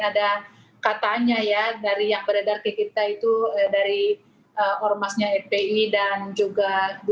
ada katanya ya dari yang beredar ke kita itu dari ormasnya fpi dan juga dua ratus dua belas